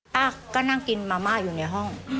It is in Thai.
ป้าก็นั่งกินมาม่าอยู่ในห้อง